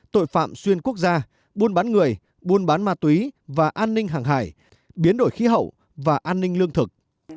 tội phạm xuyên quốc gia buôn bán người buôn bán ma túy và an ninh hàng hải biến đổi khí hậu và an ninh lương thực